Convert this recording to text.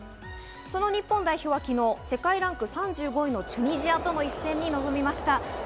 その日本代表は昨日、世界ランク３５位のチュニジアとの一戦に臨みました。